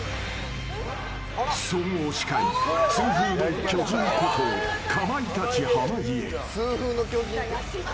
総合司会、痛風の巨人ことかまいたち濱家。